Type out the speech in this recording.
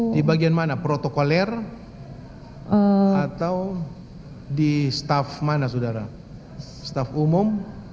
di bagian mana protokoler atau di staff mana saudara staf umum